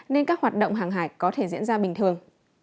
nên các hoạt động hàng hải có thể diễn ra bình thường